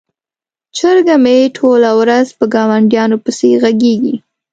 چرګه مې ټوله ورځ په ګاونډیانو پسې غږیږي.